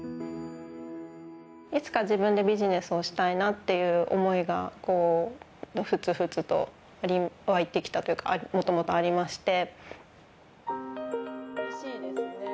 いつか自分でビジネスをしたいなという思いがふつふつと湧いてきたというかもともと、ありまして。